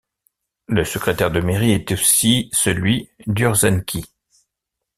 Le secrétaire de mairie est aussi celui d'Urzainqui.